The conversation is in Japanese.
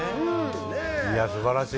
いや、素晴らしい！